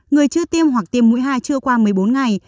người chưa tiêm hoặc tiêm mũi hai chưa qua một mươi bốn ngày